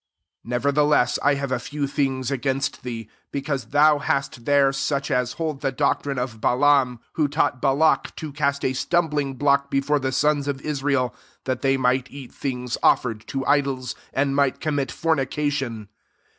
14 Neverthe less I have a few things against thee, because thou hast there such as hold the doctrine of Balaam, who taught Balac to cast a stumbling block before the sons of Israel, that they might eat things ofiTered to idols, and might commit for nication.